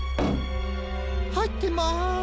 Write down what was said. はいってます。